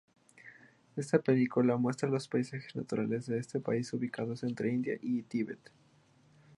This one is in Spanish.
Esta película muestra los paisajes naturales de este país ubicado entre India y Tíbet.